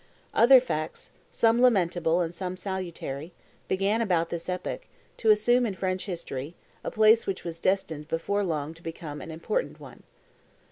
Other facts, some lamentable and some salutary, began, about this epoch, to assume in French history a place which was destined before long to become an important one.